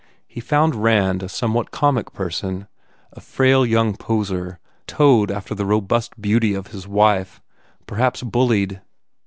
He found Rand a somewhat comic person, a frail young poser towed after the robust beauty of his wife, perhaps bullied.